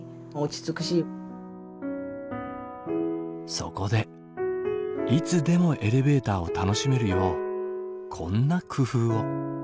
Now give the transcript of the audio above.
そこでいつでもエレベーターを楽しめるようこんな工夫を。